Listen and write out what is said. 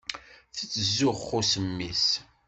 Tettzuxxu s mmi-s.